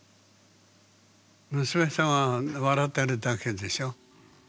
娘さんは笑ってるだけでしょ。